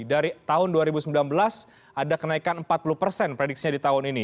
dari tahun dua ribu sembilan belas ada kenaikan empat puluh persen prediksinya di tahun ini